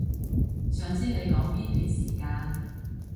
想知你講邊段時間